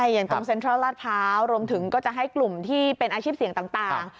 อย่างตรงเซ็นทรัลลาดพร้าวรวมถึงก็จะให้กลุ่มที่เป็นอาชีพเสี่ยงต่าง